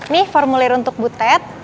nih formulir untuk butet